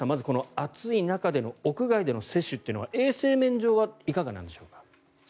暑い中での屋外の接種というのは衛生面上はいかがなんでしょうか。